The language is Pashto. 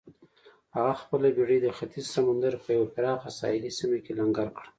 هغه خپله بېړۍ د ختیځ سمندر په یوه پراخه ساحلي سیمه کې لنګر کړه.